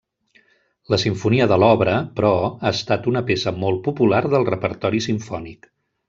La simfonia de l'obra, però, ha estat una peça molt popular del repertori simfònic.